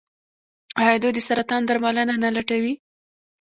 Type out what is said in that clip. آیا دوی د سرطان درملنه نه لټوي؟